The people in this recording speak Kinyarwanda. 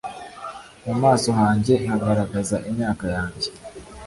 mu maso hanjye hagaragaza imyaka yanjye,